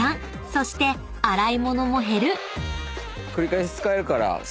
そして洗い物も減る］